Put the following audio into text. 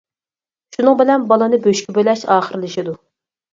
شۇنىڭ بىلەن بالىنى بۆشۈككە بۆلەش ئاخىرلىشىدۇ.